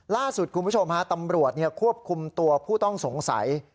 ล่าสุดคุณผู้ชมฮะตำรวจควบคุมตัวผู้ต้องสงสัย